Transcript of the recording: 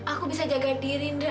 aku bisa jaga diri indra